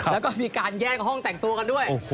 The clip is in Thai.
แล้วก็มีการแย่งห้องแต่งตัวกันด้วย